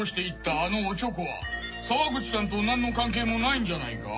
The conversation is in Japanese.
あのオチョコは沢口さんと何の関係もないんじゃないか？